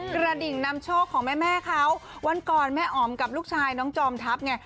กระดิ่งนำโชคของแม่เขาวันก่อนแม่อ๋อมกับลูกชายน้องจอมทัพไง